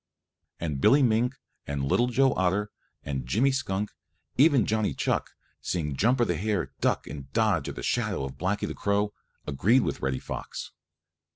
And Billy Mink and Little Joe Otter and Jimmy Skunk, even Johnny Chuck, seeing Jumper the Hare duck and dodge at the shadow of Blacky the Crow, agreed with Reddy Fox.